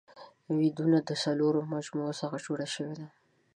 ويدونه د څلورو مجموعو څخه جوړه ده